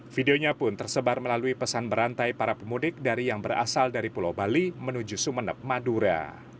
videonya pun tersebar melalui pesan berantai para pemudik dari yang berasal dari pulau bali menuju sumeneb madura